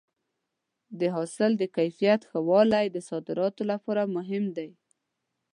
د حاصل د کیفیت ښه والی د صادراتو لپاره مهم دی.